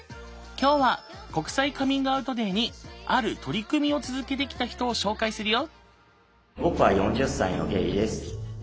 今日は国際カミングアウトデーにある取り組みを続けてきた人を紹介するよ。